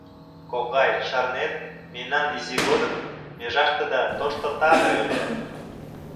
— Кокай, шарнет, мемнан изи годым межаштыда тошто таве ыле.